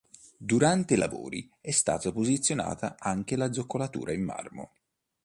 Durante i lavori è stata posizionata anche la zoccolatura in marmo.